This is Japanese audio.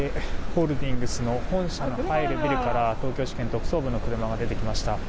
ＡＤＫホールディングスの本社が入るビルから東京地検特捜部の車が出てきました。